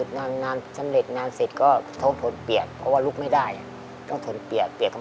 ถ้ะมันหนานำเสร็จก็จนโทนเปียก